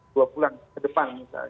dua bulan ke depan misalnya